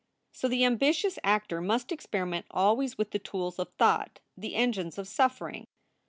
So the ambitious actor must experiment always with the tools of thought, the engines of suffering.